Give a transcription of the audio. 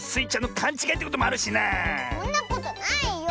そんなことないよ！